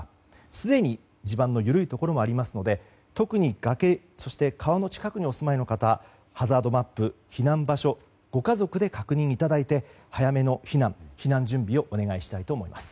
すでに地盤の緩いところもありますので特に、崖そして川の近くにお住まいの方ハザードマップ、避難場所をご家族で確認いただいて早めの避難・避難準備をお願いしたいと思います。